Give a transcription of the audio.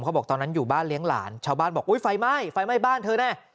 เขาบอกตอนนั้นอยู่บ้านเลี้ยงหลานเช้าบ้านแบบฝัยไหม้บ้านเธอเนี่ย